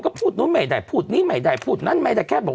เขาไม่ให้พูดกันนะเธอ